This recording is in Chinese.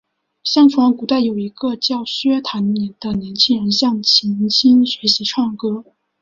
相传古代有一个名叫薛谭的年轻人向秦青学习唱歌。